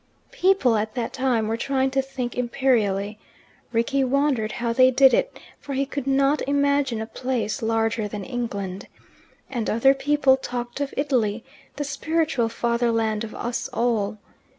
People at that time were trying to think imperially, Rickie wondered how they did it, for he could not imagine a place larger than England. And other people talked of Italy, the spiritual fatherland of us all.